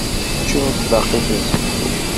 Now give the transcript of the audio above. Teččuṛ tbaqit d seksu.